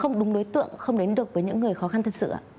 không đúng đối tượng không đến được với những người khó khăn thật sự ạ